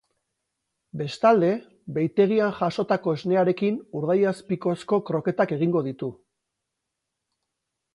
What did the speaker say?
Bestalde, behitegian jasotako esnearekin urdaiazpikozko kroketak egingo ditu.